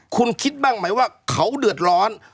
คุณคิดบ้างไหมว่าเขาเดือดร้อน